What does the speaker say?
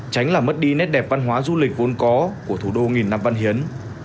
tránh làm mất đi nét đẹp văn hóa du lịch vốn có của thủ đô nghìn năm văn hiến